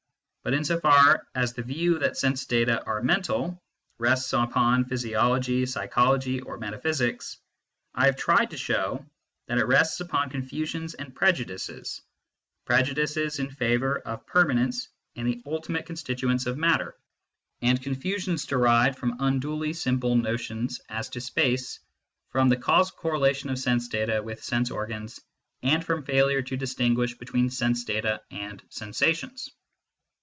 But in so far as the view that sense data are " mental " rests upon physiology, psychology, or meta physics, I have tried to show that it rests upon con fusions and prejudices prejudices in favour of per manence in the ultimate constituents of matter, and CONSTITUENTS OF MATTER 143 confusions derived from unduly simple notions as to space, from the causal correlation of sense data with sense organs, and from failure to distinguish between sense data and sensations.